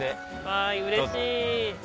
わいうれしい！